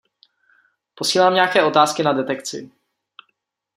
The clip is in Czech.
Posílám nějaké otázky na detekci.